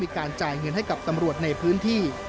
การจ่ายเงินให้กับตำรวจในพื้นที่